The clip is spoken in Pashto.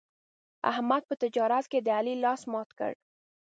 احمد په تجارت کې د علي لاس مات کړ.